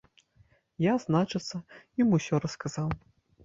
Я, значыцца, ім усё расказаў.